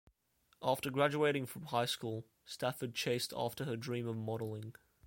After graduating from high school, Stafford chased after her dream of modeling.